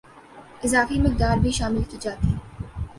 اضافی مقدار بھی شامل کی جاتی